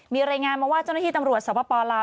มีรายงานมาว่าเจ้าหน้าที่ตำรวจสปลาว